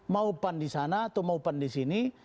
mau pan disana atau mau pan disini